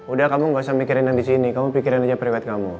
udah kamu gak usah mikirin yang di sini kamu pikirin aja priwet kamu